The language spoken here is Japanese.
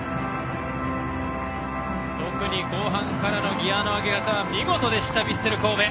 特に後半からのギヤの上げ方は見事でした、ヴィッセル神戸。